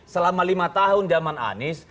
selama lima tahun zaman anies